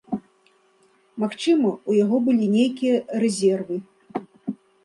Магчыма, у яго былі нейкія рэзервы.